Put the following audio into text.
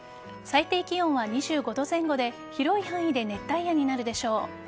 最低気温は２５度前後で広い範囲で熱帯夜になるでしょう。